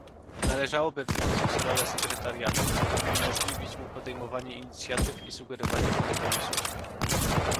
Należałoby wzmocnić rolę sekretariatu i umożliwić mu podejmowanie inicjatyw i sugerowanie kompromisów